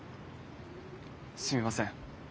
すみません。